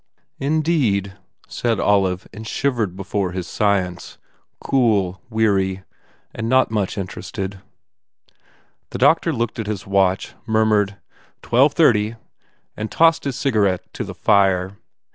"Indeed," said Olive and shivered before his science, cool, weary, not much interested. The doctor looked at his watch, murmured, "Twelve thirty," and tossed his cigarette in the fire.